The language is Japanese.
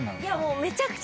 めちゃくちゃ。